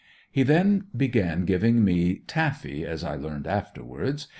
He then began giving me "taffy," as I learned afterwards.